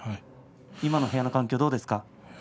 今の部屋の環境、どうですか？